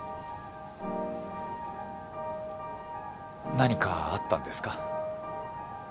何かあったんですか？